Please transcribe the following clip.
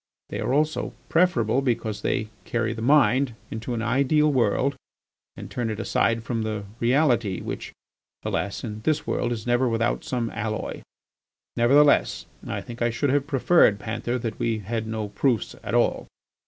They are also preferable because they carry the mind into an ideal world and turn it aside from the reality which, alas! in this world is never without some alloy. ... Nevertheless, I think I should have preferred, Panther, that we had no proofs at all."